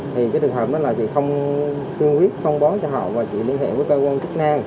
thì trường hợp đó là không tuyên quyết không bó cho họ và chỉ liên hệ với cơ quan chức năng